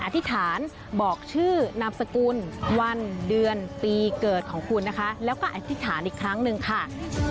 อธิษฐานบอกชื่อนามสกุลวันเดือนปีเกิดของคุณนะคะแล้วก็อธิษฐานอีกครั้งหนึ่งค่ะ